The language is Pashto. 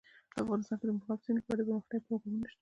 افغانستان کې د مورغاب سیند لپاره دپرمختیا پروګرامونه شته.